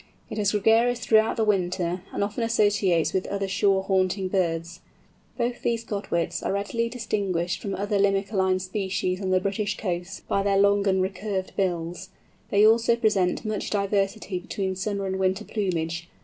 It is gregarious throughout the winter, and often associates with other shore haunting birds. Both these Godwits are readily distinguished from other Limicoline species on the British coasts by their long and recurved bills. They also present much diversity between summer and winter plumage.